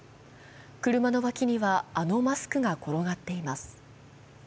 車の脇にはあのマスクが転がっています。